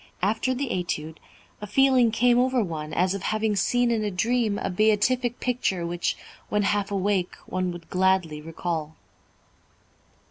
After the Étude, a feeling came over one as of having seen in a dream a beatific picture which, when half awake, one would gladly recall."